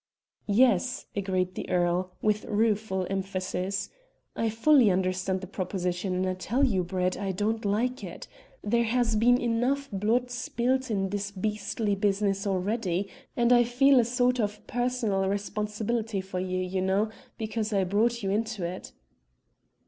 "Yes," agreed the earl, with rueful emphasis, "I fully understand the proposition, and I tell you, Brett, I don't like it. There has been enough blood spilt in this beastly business already, and I feel a sort of personal responsibility for you, you know, because I brought you into it."